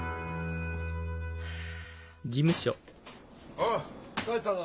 おい帰ったぞ！